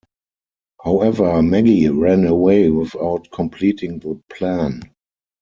However, Maggie ran away without completing the plan.